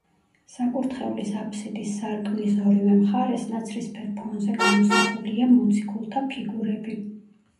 საკურთხევლის აფსიდის სარკმლის ორივე მხარეს ნაცრისფერ ფონზე გამოსახულია მოციქულთა ფიგურები.